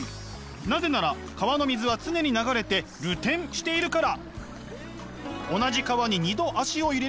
なぜなら川の水は常に流れて流転しているから。